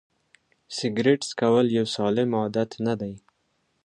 سیګرېټ څکول یو سالم عادت نه دی.